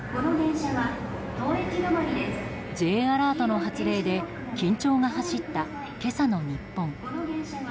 Ｊアラートの発令で緊張が走った今朝の日本。